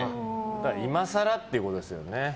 今更ってことですよね。